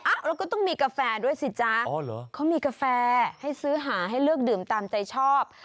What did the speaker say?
เราก็ต้องมีกาแฟด้วยสิจ๊ะเขามีกาแฟให้ซื้อหาให้เลือกดื่มตามใจชอบ